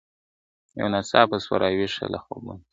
یو ناڅاپه سوه را ویښه له خوبونو !.